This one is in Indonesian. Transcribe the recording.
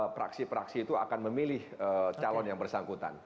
praksi praksi itu akan memilih calon yang bersangkutan